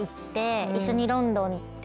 一緒にロンドン行って。